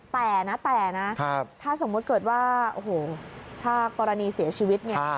แต่นะแต่นะถ้าสมมุติเกิดว่าโอ้โหถ้ากรณีเสียชีวิตเนี่ย